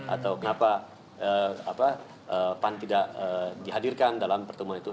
atau kenapa pan tidak dihadirkan dalam pertemuan itu